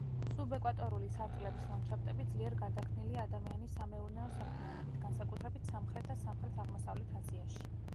სუბეკვატორული სარტყლების ლანდშაფტები ძლიერ გარდაქმნილია ადამიანის სამეურნეო საქმიანობით, განსაკუთრებით სამხრეთ და სამხრეთ-აღმოსავლეთ აზიაში.